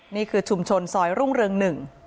นี่คือชุมชนซอยรุ่งเริงหนึ่ง